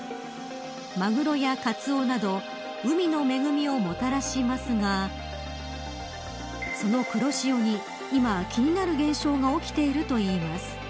マグロやカツオなど海の恵みをもたらしますがその黒潮に、今気になる現象が起きているといいます。